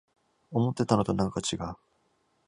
思ってたのとなんかちがう